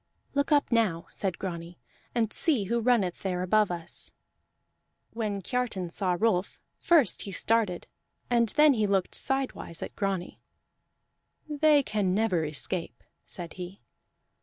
"Look up now," said Grani, "and see who runneth there above us." When Kiartan saw Rolf, first he started and then he looked sidewise at Grani. "They can never escape," said he.